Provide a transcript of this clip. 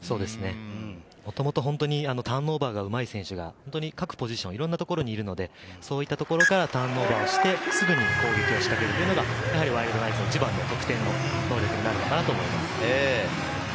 もともとターンオーバーがうまい選手が各ポジションにいるので、そういったところからターンオーバーをして、すぐに攻撃を仕掛けるというのがワイルドナイツの一番の得点能力になるのかなと思います。